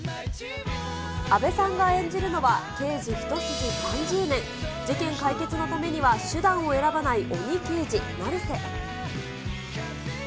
阿部さんが演じるのは、刑事一筋３０年、事件解決のためには、手段を選ばない鬼刑事、離して。